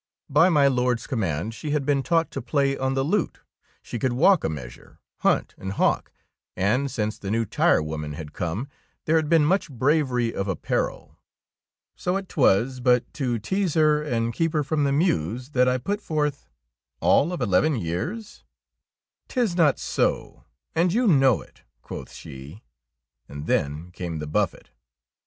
By my Lord's command, she had been taught to play on the lute, she could walk a measure, hunt and hawk, and since the new tirewoman had come, there had been much bravery of ap parel. So 'twas but to tease her and 5 DEEDS OF DAEING keep her from the mews that I put forth, —" All of eleven years ? "Tis not so, and you know it," quoth she, and then came the buffet.